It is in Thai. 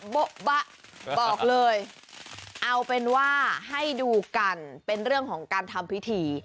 โบ๊ะบะบอกเลยเอาเป็นว่าให้ดูกันเป็นเรื่องของการทำพิธี